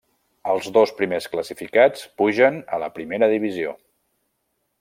Els dos primers classificats pugen a la primera divisió.